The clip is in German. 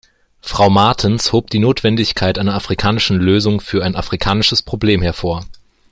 Frau Martens hob die Notwendigkeit einer afrikanischen Lösung für ein afrikanisches Problem hervor.